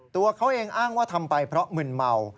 ตัวเขาเองอ้างว่าทำไปเพราะมึนเมา